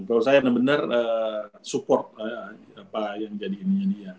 kalau saya benar benar support apa yang jadi ininya dia